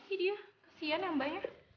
kasian yang banyak